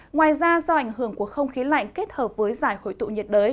ngoài ra do ảnh hưởng của không khí lạnh kết hợp với giải hội tụ nhiệt đới